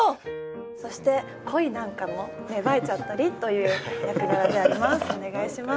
そして恋なんかも芽生えちゃったりという役柄であります。